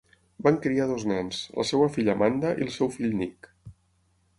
Van criar dos nens, la seva filla Amanda i el seu fill Nick.